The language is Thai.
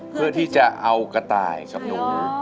เพื่อที่จะเอากระต่ายกับหนู